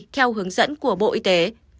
theo hướng dẫn của bộ y tế